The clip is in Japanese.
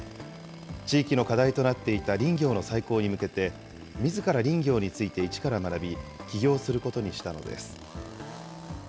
地域の課題となっていた林業の再興に向けて、みずから林業について一から学び、起業することにしたのです。